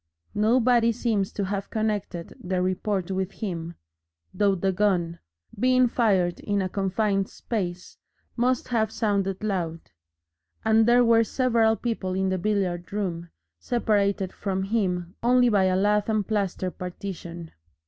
Nobody seems to have connected the report with him, though the gun, being fired in a confined space, must have sounded loud, and there were several people in the billiard room, separated from him only by a lath and plaster partition.